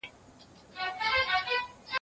د ورځي یوازي سل سل جملې همکاري وکړي،